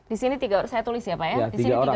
disini tiga orang saya tulis ya pak ya